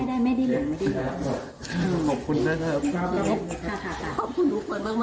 เด็กที่หายไปเนี่ยชื่อน้องอาตอมเป็นเด็กชายวัย๘ขวบค่ะ